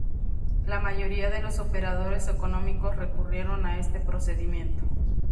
La mayoría de los operadores económicos recurrieron a este procedimiento.